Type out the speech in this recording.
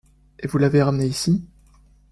Et vous l’avez ramené ici?